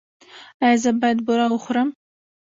ایا زه باید بوره وخورم؟